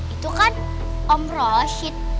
itu kan om rashid